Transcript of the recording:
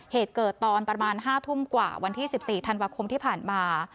เหตุเกิดตอนประมาณ๕ทุ่มกว่าวันที่๑๔ธันวาคมที่ผ่านมา